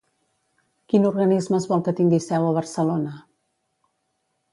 Quin organisme es vol que tingui seu a Barcelona?